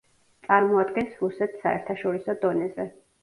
წარმოადგენს რუსეთს საერთაშორისო დონეზე.